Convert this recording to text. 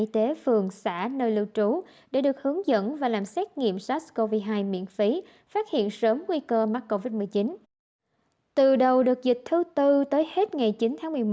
từ đầu đợt dịch thứ tư tới hết ngày chín tháng một mươi một